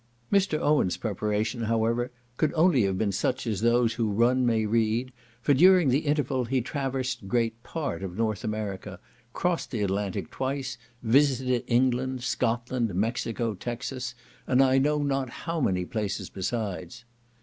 Mr. Owen's preparation, however, could only have been such as those who run may read, for, during the interval, he traversed great part of North America, crossed the Atlantic twice, visited England, Scotland, Mexico, Texas, and I know not how many places besides.